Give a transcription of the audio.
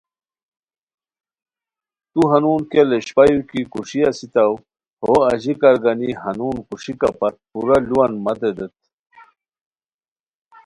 تو ہنون کیہ لیشپایو کی کوݰی اسیتاوٰ ہو اژیکار گانی ہنون کوُݰیکا پت پورا لُوان متے دیت